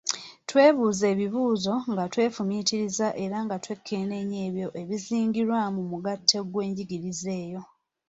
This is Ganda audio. Twebuuze ebibuuzo, nga twefumiitiriza era nga twekenneenya ebyo ebizingirwa mu mugatte gw’enjigiriza eyo.